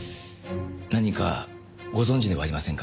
何かご存じではありませんか？